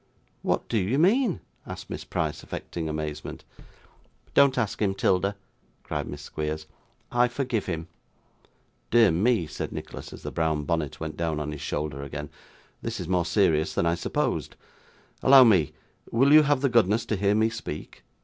'What do you mean?' asked Miss Price, affecting amazement. 'Don't ask him, 'Tilda,' cried Miss Squeers; 'I forgive him.' 'Dear me,' said Nicholas, as the brown bonnet went down on his shoulder again, 'this is more serious than I supposed. Allow me! Will you have the goodness to hear me speak?